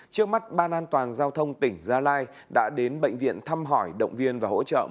trước mắt ban an toàn giao thông tỉnh gia lai đã đến bệnh viện thăm hỏi động viên và hỗ trợ